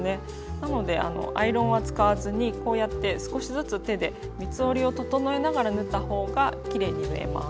なのでアイロンは使わずにこうやって少しずつ手で三つ折りを整えながら縫った方がきれいに縫えます。